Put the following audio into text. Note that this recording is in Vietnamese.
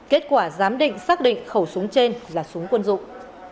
kết quả giám định xác định khẩu súng trên là súng quân dụng